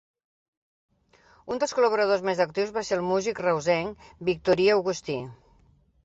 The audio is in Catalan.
Un dels col·laboradors més actius va ser el músic reusenc Victorí Agustí.